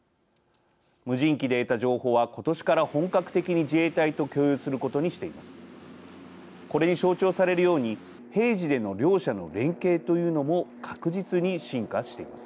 無人機で得た情報は今年から本格的に自衛隊と共有することにしています。